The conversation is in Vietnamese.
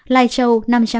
lai châu năm trăm bảy mươi hai